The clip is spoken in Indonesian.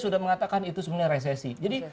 sudah mengatakan itu sebenarnya resesi jadi